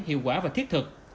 hiệu quả và thiết thực